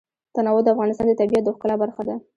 تنوع د افغانستان د طبیعت د ښکلا برخه ده.